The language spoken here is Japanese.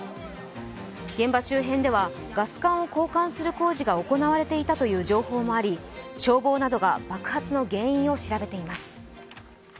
現場周辺ではガス管を交換する工事が行われていたという情報もあり消防などが爆発の原因を調べています。